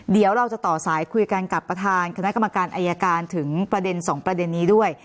เดี๋ยวเราจะต่อสายคุยกันกับประธานคณะกรรมการอายการถึงประเด็น๒ประเด็นนี้ด้วย